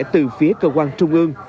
từ phía cơ quan trung ương